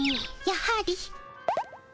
やはり。